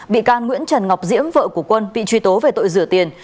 bị can nguyễn trần ngọc diễm vợ của quân bị truy tố về tội rửa tiền